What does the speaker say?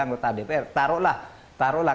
anggota dpr taruhlah